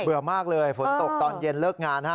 มากเลยฝนตกตอนเย็นเลิกงานฮะ